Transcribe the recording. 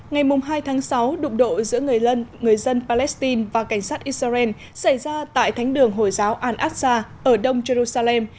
ngày hai tháng sáu đụng độ giữa người dân palestine và cảnh sát israel xảy ra tại thánh đường hồi giáo al aqsa ở đông jerusalem